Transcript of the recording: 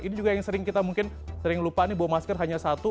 ini juga yang sering kita mungkin sering lupa nih bawa masker hanya satu